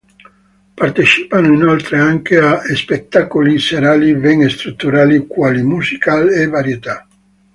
Partecipano inoltre anche a spettacoli serali ben strutturati, quali musical e varietà.